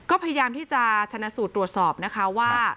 ก็พยายามที่จะชนะสูตรตรวจสอบนะคะว่า